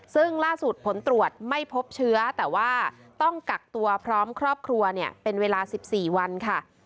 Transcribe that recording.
ซึ่งล่าสุดผลตรวจไม่พบเชื้อแต่ว่าต้องกักตัวพร้อมครอบครัวเป็นเวลา๑๔วันค่ะ